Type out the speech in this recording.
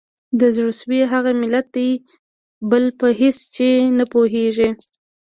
د زړه سوي هغه ملت دی بل په هیڅ چي نه پوهیږي